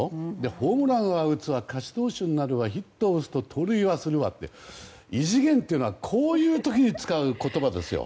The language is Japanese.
ホームランは打つわ勝ち投手になるわヒットを打つと盗塁はするわって異次元ってこういう時に使う言葉ですよ。